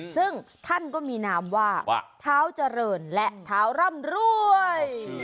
ซึ่งท่านก็มีนามว่าเท้าเจริญและเท้าร่ำรวย